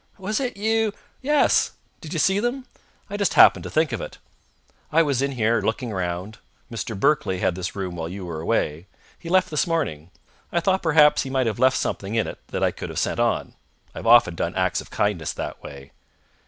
"Was it you " "Yes. Did you see them? I just happened to think of it. I was in here, looking round. Mr. Berkeley had this room while you were away. He left this morning. I thought perhaps he might have left something in it that I could have sent on. I've often done acts of kindness that way."